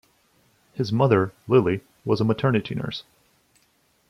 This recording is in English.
His mother, Lily, was a maternity nurse.